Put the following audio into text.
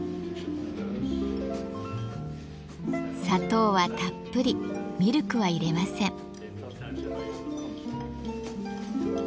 砂糖はたっぷりミルクは入れません。